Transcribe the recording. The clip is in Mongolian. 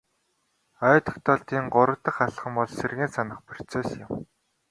Ой тогтоолтын гурав дахь алхам бол сэргээн санах процесс юм.